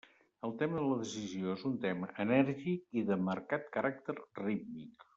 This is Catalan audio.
El tema de la decisió és un tema enèrgic i de marcat caràcter rítmic.